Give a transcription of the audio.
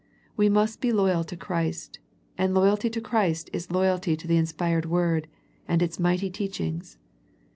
We must be loyal to Christ, and loyalty to Christ is loyalty to the inspired Word, and its mighty teachings.